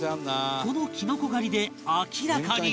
このきのこ狩りで明らかに